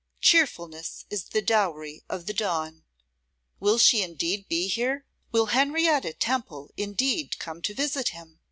Cheerfulness is the dowry of the dawn. Will she indeed be here? Will Henrietta Temple indeed come to visit him?